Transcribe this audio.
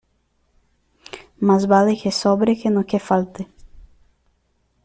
Más vale que sobre que no que falte.